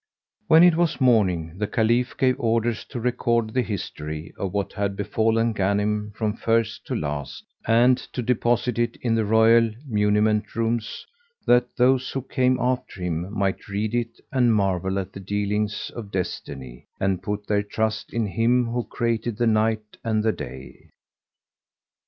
When it was morning, the Caliph gave orders to record the history of what had befallen Ghanim from first to last and to deposit it in the royal muniment rooms, that those who came after him might read it and marvel at the dealings of Destiny and put their trust in Him who created the night and the day.